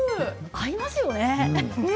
合いますよね。